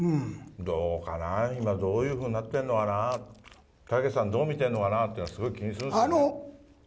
どうかなー、今、どういうふうになってんのかな、たけしさん、どう見てるのかなって、すごい気にするんですよ。